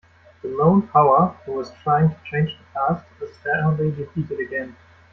The Lone Power, who was trying to change the past, is narrowly defeated again.